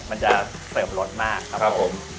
มันจะเติบรสมากครับผม